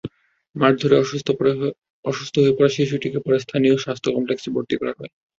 মারধরে অসুস্থ হয়ে পড়া শিশুটিকে পরে স্থানীয় স্বাস্থ্য কমপ্লেক্সে ভর্তি করা হয়।